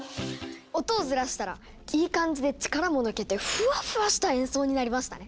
音をずらしたらいい感じで力も抜けてフワフワした演奏になりましたね。